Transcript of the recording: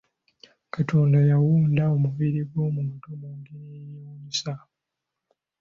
Katonda yawunda omubiri gw'omuntu mu ngeri eyewuunyisa.